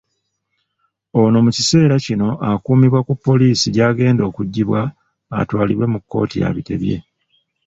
Ono mukiseera kino akuumibwa ku Poliisi gy'agenda okugyibwa atwalibwe mu kkooti abitebye.